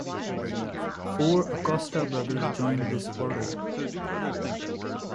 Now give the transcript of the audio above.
Four Acosta brothers joined this order.